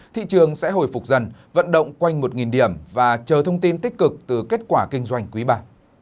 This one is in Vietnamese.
thị trường sẽ hồi phục dần vận động quanh một điểm và chờ thông tin tích cực từ kết quả kinh doanh quý iii